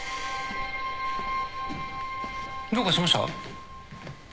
どうかしました？